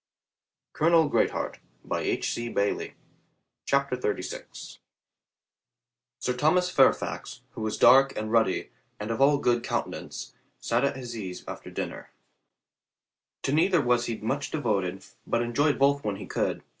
CHAPTER THIRTY SIX COLONEL RICH IS INTERRUPTED SIR Thomas Fairfax, who was dark and ruddy and of a goodly countenance, sat at his ease after dinner. To neither was he much devoted, but enjoyed both when he could.